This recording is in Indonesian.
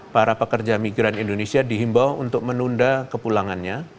para pekerja migran indonesia dihimbau untuk menunda kepulangannya